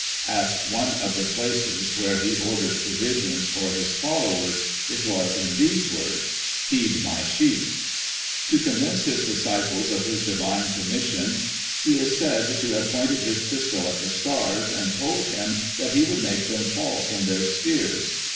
At one of the places where he Digiti ized by Google 1838] THOM, THE FANATIC. 51 ordered provisions for his followers, it was in these words: *Feed my sheep/ To convince his disciples of his divine commission, he is said to have pointed his pistol at the stars, and told him that he would make them fall from their spheres.